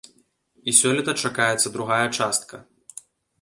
І сёлета чакаецца другая частка.